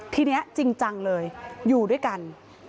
ทีนี้จริงจังเลยอยู่ด้วยกัน